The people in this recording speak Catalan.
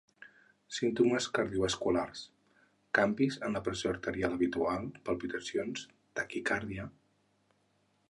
Símptomes cardiovasculars: canvis en la pressió arterial habitual, palpitacions, taquicàrdia.